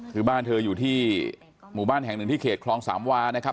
คือบ้านเธออยู่ที่หมู่บ้านแห่งหนึ่งที่เขตคลองสามวานะครับ